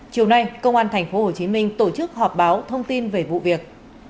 chiều nay công an tp hcm tổ chức họp báo thông tin về vụ việc